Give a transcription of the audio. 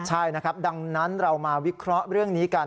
ใช่นะครับดังนั้นเรามาวิเคราะห์เรื่องนี้กัน